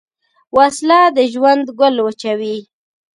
وسله د ژوند ګل وچوي